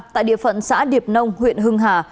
tại địa phận xã điệp nông huyện hưng hà